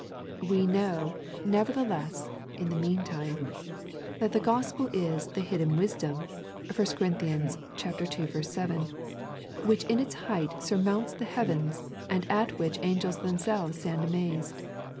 We know, neverthe less, in the meantime, that the gospel is the hidden wisdom, (1 Cor. ii. 7,) which in its height surmounts the heavens, and at which angels themselves stand amazed.